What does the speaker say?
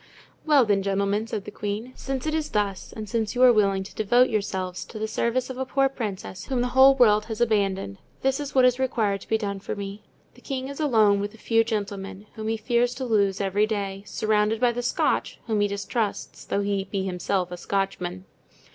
"Well, then, gentlemen," said the queen, "since it is thus, and since you are willing to devote yourselves to the service of a poor princess whom the whole world has abandoned, this is what is required to be done for me. The king is alone with a few gentlemen, whom he fears to lose every day; surrounded by the Scotch, whom he distrusts, although he be himself a Scotchman.